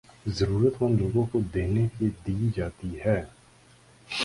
ضرورت مند لوگوں کو دینے کے دی جاتی ہیں